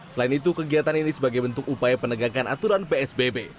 selain itu kegiatan ini sebagai bentuk upaya penegakan aturan psbb